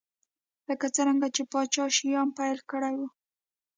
لکه څرنګه چې پاچا شیام پیل کړی و.